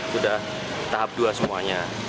sudah tahap dua semuanya